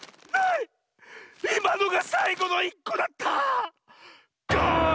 いまのがさいごのいっこだった！ガーン！